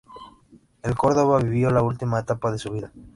En Córdoba vivió la última etapa de su vida.